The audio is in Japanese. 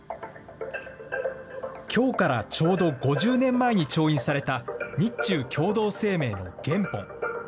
きょうからちょうど５０年前に調印された日中共同声明の原本。